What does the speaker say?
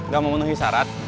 gak memenuhi syarat